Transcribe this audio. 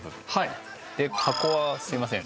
箱はすいません